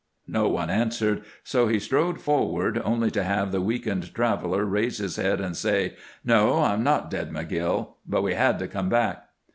No one answered, so he strode forward, only to have the weakened traveler raise his head and say: "No, I'm not dead, McGill. But we had to come back."